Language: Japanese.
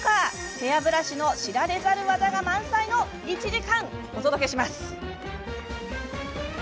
ヘアブラシの知られざる技が満載の１時間お届けします。